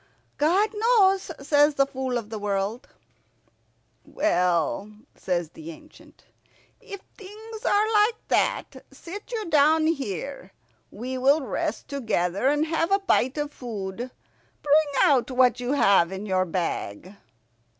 "God knows," says the Fool of the World. "Well," says the ancient, "if things are like that, sit you down here. We will rest together and have a bite of food. Bring out what you have in your bag."